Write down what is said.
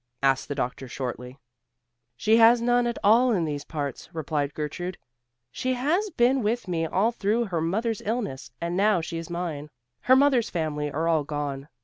asked the doctor shortly. "She has none at all in these parts," replied Gertrude. "She has been with me all through her mother's illness, and now she is mine. Her mother's family are all gone.